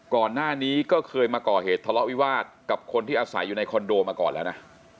ก่อนหน้านี้ก็เคยมาก่อเหตุทะเลาะวิวาสกับคนที่อาศัยอยู่ในคอนโดมาก่อนแล้วนะ